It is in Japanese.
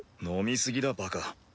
飲み過ぎだバカ。